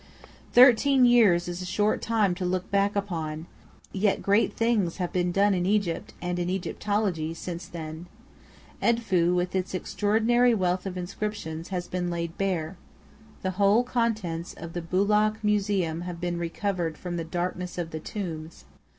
Thirteen years is a short time to look back upon; yet great things have been done in Egypt, and in Egyptology, since then. Edfu, with its extraordinary wealth of inscriptions, has been laid bare. The whole contents of the Boulak Museum have been recovered from the darkness of the tombs.